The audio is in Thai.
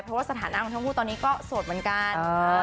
เพราะว่าสถานะของทั้งคู่ตอนนี้ก็โสดเหมือนกัน